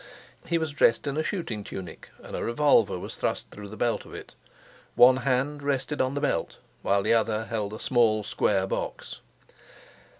He was dressed in a shooting tunic, and a revolver was thrust through the belt of it. One hand rested on the belt, while the other held a small square box.